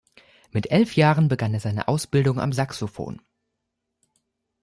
Mit elf Jahren begann er seine Ausbildung am Saxophon.